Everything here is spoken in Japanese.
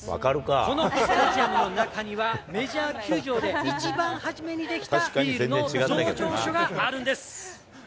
このスタジアムの中には、メジャー球場で一番初めに出来たビールの醸造所があるんです。